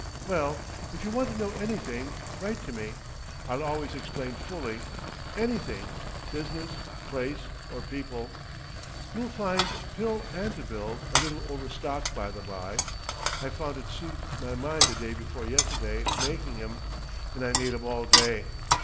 Well, if you want to know anything write to me. I'll always explain fully. Anything—business, place or people. You'll find Pil Antibil. a little overstocked by the by, I found it soothed my mind the day before yesterday making 'em, and I made 'em all day.